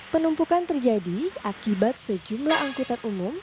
penumpukan terjadi akibat sejumlah angkutan umum